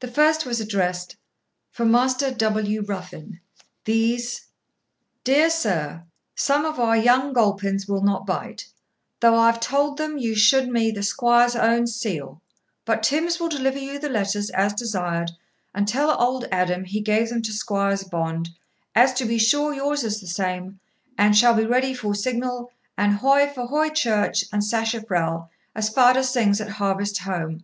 The first was addressed, 'For Master W. Ruffin, These.' 'Dear sur, sum of our yong gulpins will not bite, thof I tuold them you shoed me the squoire's own seel. But Tims will deliver you the lettrs as desired, and tell ould Addem he gave them to squoir's bond, as to be sure yours is the same, and shall be ready for signal, and hoy for Hoy Church and Sachefrel, as fadur sings at harvestwhome.